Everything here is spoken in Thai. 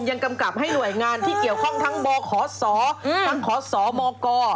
กำกับให้หน่วยงานที่เกี่ยวข้องทั้งบขศทั้งขสมก